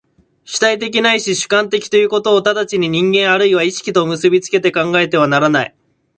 主体的ないし主観的ということを直ちに人間或いは意識と結び付けて考えてはならない。